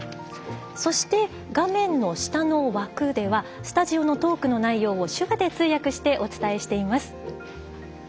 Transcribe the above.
そして、画面の下の枠ではスタジオのトークの内容を手話で通訳してお伝えしています。